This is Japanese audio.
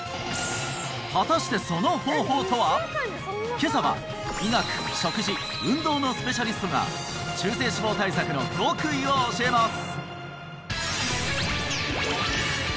今朝は医学食事運動のスペシャリストが中性脂肪対策の極意を教えます